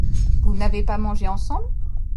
Vous n’avez pas mangé ensemble ?